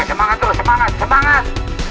di lehernya itu cepet cepet